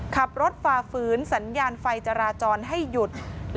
ฝ่าฝืนสัญญาณไฟจราจรให้หยุด